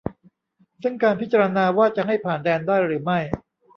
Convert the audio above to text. ซึ่งการพิจารณาว่าจะให้ผ่านแดนได้หรือไม่